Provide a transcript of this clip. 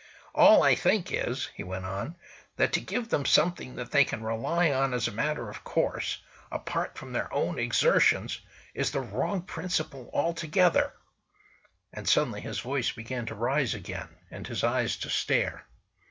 "All I think is," he went on, "that to give them something that they can rely on as a matter of course, apart from their own exertions, is the wrong principle altogether," and suddenly his voice began to rise again, and his eyes to stare.